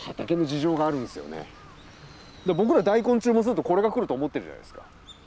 僕ら大根注文するとこれが来ると思ってるじゃないですか。